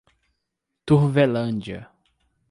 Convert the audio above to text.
Turvelândia